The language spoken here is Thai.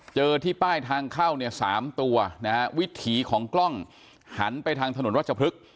เจอที่ป้ายทางเข้าเนี่ย๓ตัวนะฮะวิถีของกล้องหันไปทางถนนรัชพฤกษ์